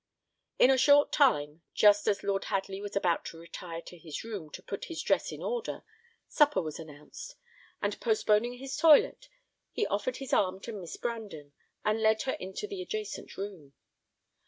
In a short time, just as Lord Hadley was about to retire to his room to put his dress in order, supper was announced, and postponing his toilet, he offered his arm to Miss Brandon, and led her into the adjacent room.